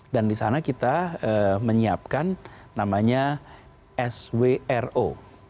dan disana kita menyiapkan namanya swro